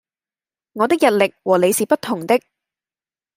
我的日曆和你是不同的！